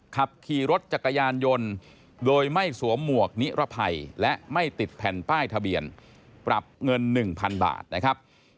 ขับขี่รถจักรยานยนต์โดยไม่สวมหมวกนิรภัยและไม่ติดแผ่นป้ายทะเบียนปรับเงิน๑๐๐๐บาทนะครับ